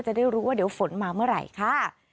จะได้รู้ว่าเดี๋ยวฝนมาเมื่อไหร่ค่ะ